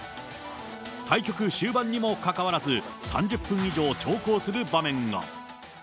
対局終盤にもかかわらず、３０分以上長考する場面が。